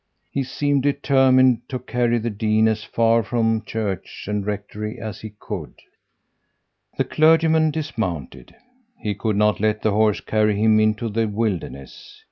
He seemed determined to carry the dean as far from church and rectory as he could. "The clergyman dismounted. He could not let the horse carry him into the wilderness.